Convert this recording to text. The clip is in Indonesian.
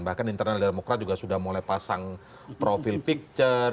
bahkan internal demokrat juga sudah mulai pasang profil picture